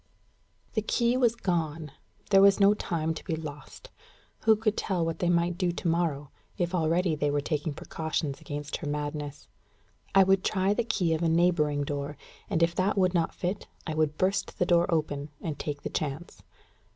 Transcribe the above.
The key was gone. There was no time to be lost. Who could tell what they might do to morrow, if already they were taking precautions against her madness? I would try the key of a neighbouring door, and if that would not fit, I would burst the door open, and take the chance.